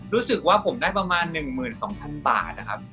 รู้สึกว่าผมได้ประมาณ๑๒๐๐๐บาทนะครับ